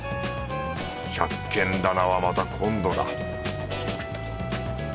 百軒店はまた今度だ